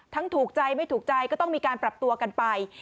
ถูกใจไม่ถูกใจก็ต้องมีการปรับตัวกันไป